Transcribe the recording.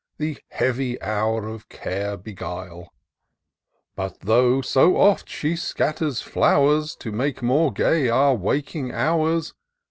The heavy hour of care beguile ! But though so oft she scatters flowers. To make more gay our waking hours.